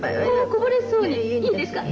こぼれそうにいいんですか？